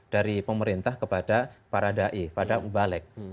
dari pemerintah kepada para dai pada mubalek